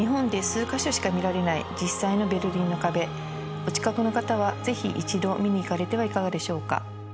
お近くの方は是非一度見に行かれてはいかがでしょうか？